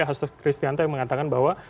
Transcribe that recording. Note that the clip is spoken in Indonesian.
hasto kristianto yang mengatakan bahwa